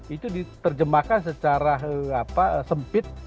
itu diterjemahkan secara sempit